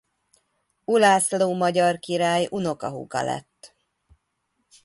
Ulászló magyar király unokahúga lett.